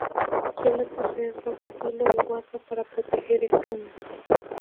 Suele poseer doble filo y guarda para proteger el puño.